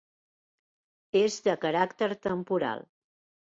És de caràcter temporal.